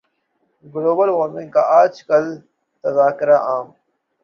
global warming کا آج کل تذکرہ عام